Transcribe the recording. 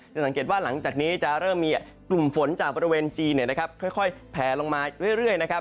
สังเกตว่าหลังจากนี้จะเริ่มมีกลุ่มฝนจากบริเวณจีนค่อยแผลลงมาเรื่อยนะครับ